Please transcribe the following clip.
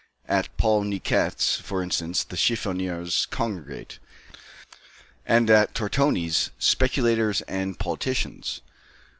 At Paul Niquet's, for instance, the chiffoniers congregate, and at Tortoni's, speculators and politicians.